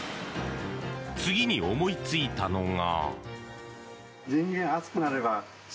次に思いついたのが。